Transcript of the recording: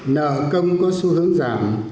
nợ công có xu hướng giảm